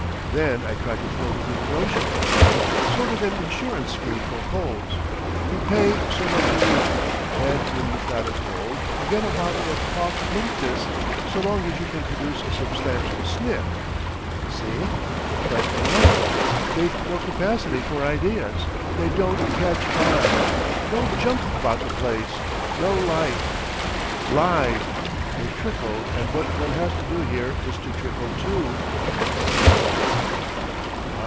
Then I tried to float a little notion of mine, sort of an insurance scheme for colds; you pay so much a week, and when you've got a cold you get a bottle of Cough Linctus so long as you can produce a substantial sniff. See? But Lord! they've no capacity for ideas, they don't catch on; no Jump about the place, no Life. Live!—they trickle, and what one has to do here is to trickle too—Zzzz."